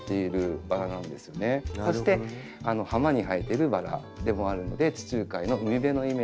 そして浜に生えてるバラでもあるので地中海の海辺のイメージ。